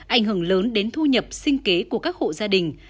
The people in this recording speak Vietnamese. ảnh hưởng lớn đến thu nhập sinh kế của các hộ gia đình